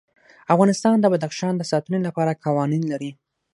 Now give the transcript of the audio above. افغانستان د بدخشان د ساتنې لپاره قوانین لري.